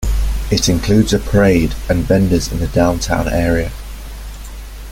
It includes a parade and vendors in the downtown area.